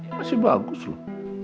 masih bagus loh